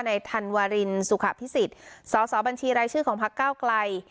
ในธันวรินศศศบัญชีรายชื่อของพักเก้าไกล